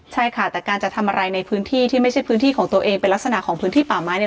ใช่ค่ะแต่การจะทำอะไรในพื้นที่ที่ไม่ใช่พื้นที่ของตัวเองเป็นลักษณะของพื้นที่ป่าไม้เนี่ย